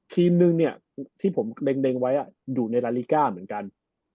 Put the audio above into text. ทีมนึงเนี่ยที่ผมเล็งไว้อยู่ในลาลิก้าเหมือนกัน